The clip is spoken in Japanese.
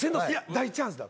大チャンスだ。